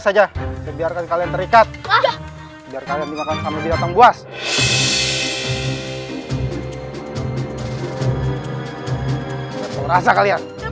aja biarkan kalian terikat biar kalian makan sama binatang buas rasa kalian